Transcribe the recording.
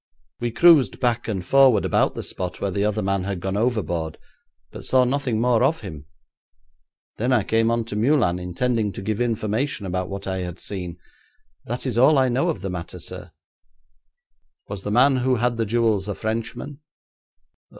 We cruised back and forward about the spot where the other man had gone overboard, but saw nothing more of him. Then I came on to Meulan, intending to give information about what I had seen. That is all I know of the matter, sir.' 'Was the man who had the jewels a Frenchman?'